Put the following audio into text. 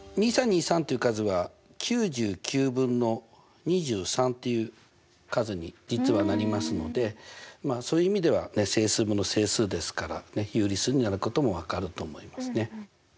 ２３２３っていう数はっていう数に実はなりますのでそういう意味では整数分の整数ですから有理数になることも分かると思いますね。